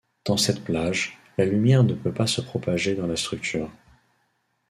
Dans cette plage, la lumière ne peut pas se propager dans la structure.